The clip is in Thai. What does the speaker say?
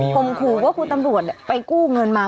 ข่มครูว่าครูตำรวจเนี้ยไปกู้เงินมา